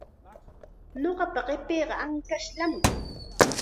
Ñuqapa qipiiqa ankashllam.